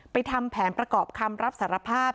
ทำแผนประกอบคำรับสารภาพ